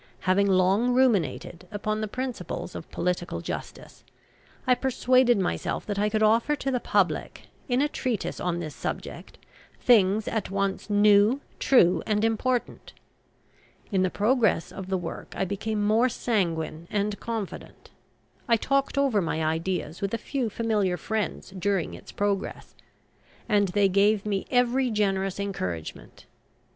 Having long ruminated upon the principles of Political Justice, I persuaded myself that I could offer to the public, in a treatise on this subject, things at once new, true, and important. In the progress of the work I became more sanguine and confident. I talked over my ideas with a few familiar friends during its progress, and they gave me every generous encouragement.